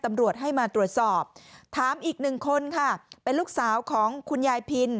ตำรวจให้มาตรวจสอบถามอีกหนึ่งคนค่ะเป็นลูกสาวของคุณยายพิน